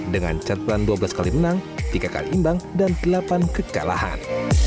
dengan catatan dua belas kali menang tiga kali imbang dan delapan kekalahan